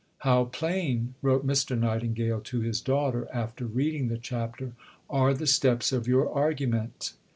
"How plain," wrote Mr. Nightingale to his daughter, after reading the chapter, "are the steps of your argument!